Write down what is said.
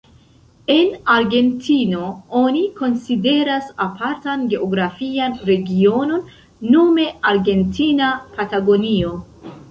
En Argentino oni konsideras apartan geografian regionon nome Argentina Patagonio.